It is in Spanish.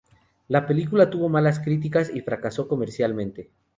La película tuvo malas críticas y fracasó comercialmente.